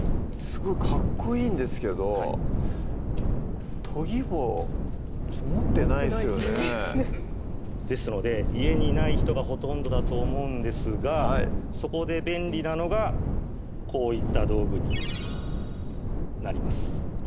すごいかっこいいんですけど研ぎ棒持ってないですよね持ってないですねですので家にない人がほとんどだと思うんですがそこで便利なのがこういった道具になります